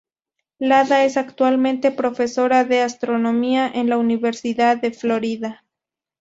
Lada es actualmente Profesora de Astronomía en la Universidad de Florida.